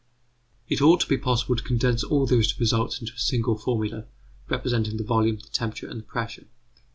It ought to be possible to condense all these results into a single formula representing the volume, the temperature, and the pressure.